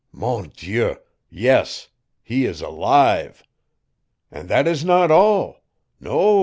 MON DIEU yes he is alive. And that is not all. No.